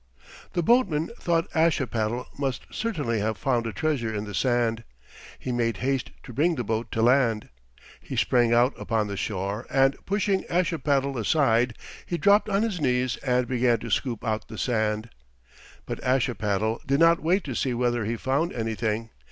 The boatman thought Ashipattle must certainly have found a treasure in the sand. He made haste to bring the boat to land. He sprang out upon the shore, and pushing Ashipattle aside, he dropped on his knees and began to scoop out the sand. But Ashipattle did not wait to see whether he found anything.